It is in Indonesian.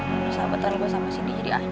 menurut sahabat gue sama cindy jadi aneh